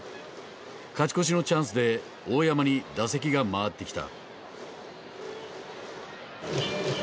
勝ち越しのチャンスで大山に打席が回ってきた。